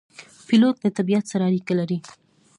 پیلوټ له طبیعت سره اړیکه لري.